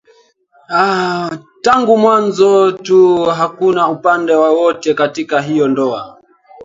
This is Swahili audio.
tangu mwanzo tu hakuna upande wowote katika hiyo ndoa